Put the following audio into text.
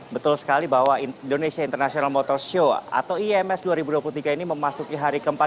betul sekali bahwa indonesia international motor show atau ims dua ribu dua puluh tiga ini memasuki hari keempat